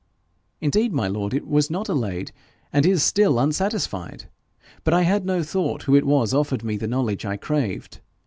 'Indeed, my lord, it was not allayed, and is still unsatisfied. But I had no thought who it was offered me the knowledge I craved.